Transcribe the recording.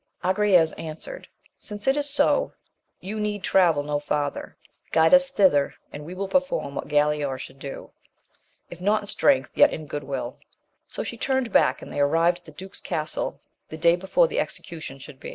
Agrayes answered, since it is so, you need travel no farther ; guide us thither, and we will perform what Galaor shoiild do, li Tia\» \si ^\»\^\n!^^'^ 104 AMADIS OF GAUL, in good will. So she turned back, and they arrived at the duke's castle t]?e day before the execution should be.